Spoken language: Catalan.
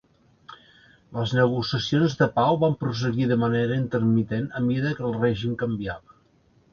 Les negociacions de pau van prosseguir de manera intermitent a mida que el règim canviava.